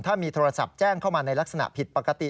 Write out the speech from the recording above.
ถ้ามีโทรศัพท์แจ้งเข้ามาในลักษณะผิดปกติ